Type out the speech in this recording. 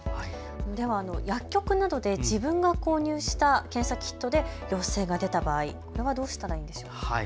では薬局などで自分が購入した検査キットで陽性が出た場合、これはどうしたらいいんでしょうか。